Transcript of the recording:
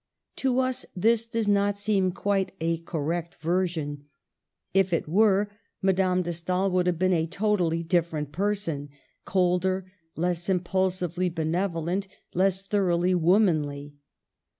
To us this does not seem quite a correct version. If it were, Madame de Stael would have been a totally different person ; cold er, less impulsively benevolent, less thoroughly womanly.